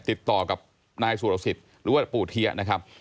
ติดต่อกับนายสุรสิทธิ์หรือว่าปู่เทียนะครับ